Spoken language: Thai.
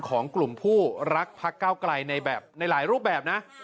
ของกลุ่มผู้รักพระเก้ากลายในหลายรูปแบบนะ